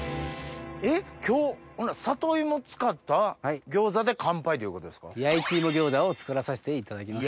今日里芋使った餃子で乾杯ということですか？を作らさせていただきます。